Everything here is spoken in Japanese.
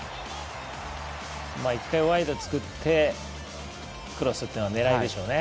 １回、ワイド作ってクロスっていうのは狙いでしょうね。